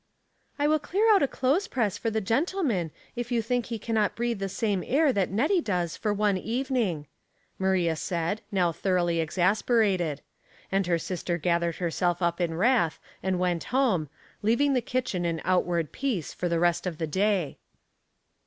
''*' I will clear out a clothes press for the gen tleman, if you think he can not breathe the same air that Nettie does for one evening," Ma ria said, now thoroughly exasperated ; and her sister gathered herself up in wrath and went home, leaving the kitchen in outward peace for the rest of the day.